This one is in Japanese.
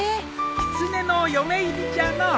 キツネの嫁入りじゃのう。